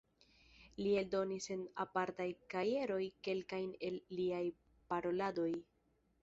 Li eldonis en apartaj kajeroj kelkajn el liaj paroladoj.